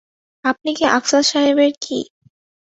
আপনি কি আফসার সাহেবের কী?